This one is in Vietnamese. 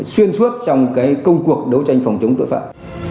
xuyên suốt trong công cuộc đấu tranh phòng chống tội phạm